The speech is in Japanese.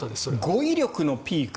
語い力のピーク。